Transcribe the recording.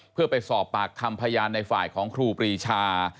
เพื่อไปสอบปากคำพยานในฝ่ายของครูปรีชา